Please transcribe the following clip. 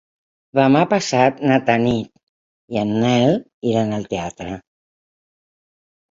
Demà passat na Tanit i en Nel iran al teatre.